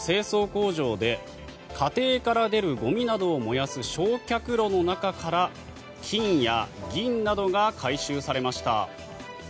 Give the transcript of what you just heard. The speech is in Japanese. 工場で家庭から出るゴミなどを燃やす焼却炉の中から金や銀などが回収されました。